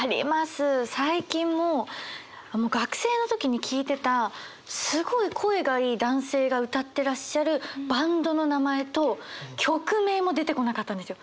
最近も学生の時に聴いてたすごい声がいい男性が歌ってらっしゃるバンドの名前と曲名も出てこなかったんですよ。